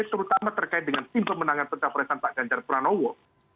terutama terkait dengan tim pemenangan pencapresan pak ganjar pranowo